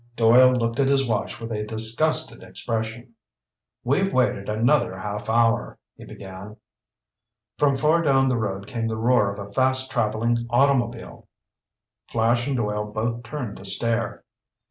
Doyle looked at his watch with a disgusted expression. "We've wasted another half hour—" he began. From far down the road came the roar of a fast traveling automobile. Flash and Doyle both turned to stare.